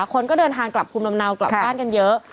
คนก็เดินทางกลับภูมิลำเนากลับบ้านกันเยอะ